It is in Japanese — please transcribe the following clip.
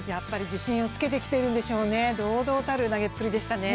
自信をつけてきているんでしょうね、堂々たる投げっぷりでしたね。